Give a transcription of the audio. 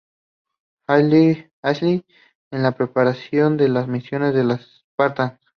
Halsey en la preparación de las misiones de los spartans.